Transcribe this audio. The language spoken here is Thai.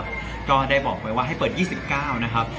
ก็ได้บอกไว้ว่าให้เปิด๒๙นะครับ